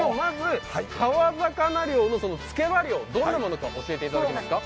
川魚漁のつけば漁、どんなものか教えてもらえますか？